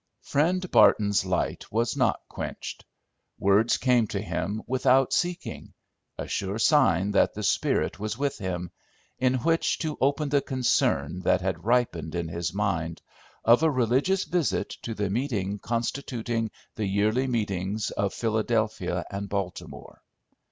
Friend Barton's light was not quenched. Words came to him, without seeking, a sure sign that the Spirit was with him, in which to "open the concern" that had ripened in his mind, of a religious visit to the meeting constituting the yearly meetings of Philadelphia and Baltimore.